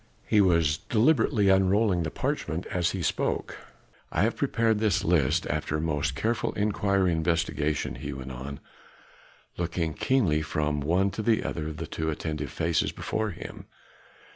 He was deliberately unrolling the parchment as he spoke. "I have prepared this list after most careful inquiry and investigation," he went on, looking keenly from one to the other of the two attentive faces before him.